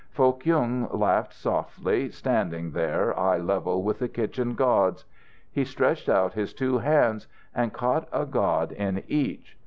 Foh Kyung laughed softly, standing there, eye level with the kitchen gods. He stretched out his two hands, and caught a god in each.